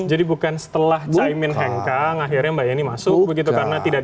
jadi bukan setelah caimin hengkang akhirnya mbak ieni masuk